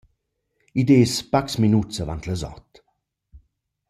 Id es pacs minuts avant las ot.